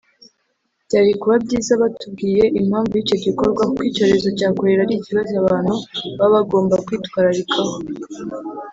Byari kuba byiza batubwiye impamvu y’icyo gikorwa kuko icyorezo cya kolera ari ikibazo abantu baba bagomba kwitwararikaho